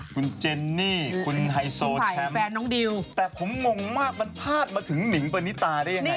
คุณเจนนี่คุณไฮโซแฟนน้องดิวแต่ผมงงมากมันพาดมาถึงหนิงปณิตาได้ยังไง